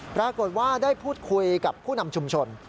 ปรากฏว่าได้พูดคุยกับผู้นำชุมชน